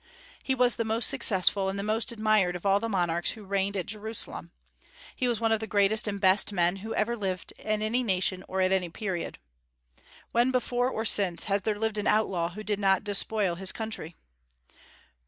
He was the most successful and the most admired of all the monarchs who reigned at Jerusalem. He was one of the greatest and best men who ever lived in any nation or at any period. "When, before or since, has there lived an outlaw who did not despoil his country?"